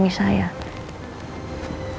ini tidak ada